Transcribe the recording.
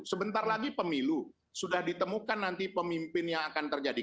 sebentar lagi pemilu sudah ditemukan nanti pemimpin yang akan terjadi